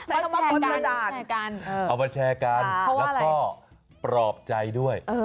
เอามาแชร์กันแล้วก็ปลอบใจด้วย